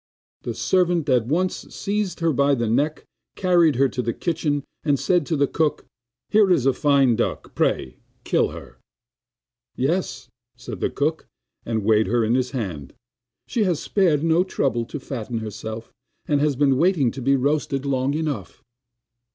The servant at once seized her by the neck, carried her to the kitchen, and said to the cook: 'Here is a fine duck; pray, kill her.' 'Yes,' said the cook, and weighed her in his hand; 'she has spared no trouble to fatten herself, and has been waiting to be roasted long enough.